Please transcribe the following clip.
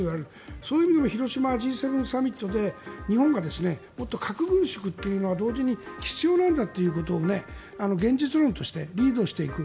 そういう意味でも広島Ｇ７サミットで日本がもっと核軍縮というのは同時に必要なんだということを現実論としてリードしていく。